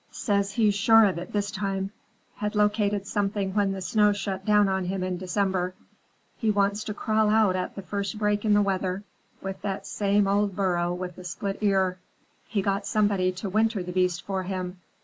Says he's sure of it this time; had located something when the snow shut down on him in December. He wants to crawl out at the first break in the weather, with that same old burro with the split ear. He got somebody to winter the beast for him.